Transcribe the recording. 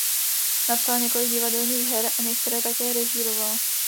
Napsala několik divadelních her a některé také režírovala.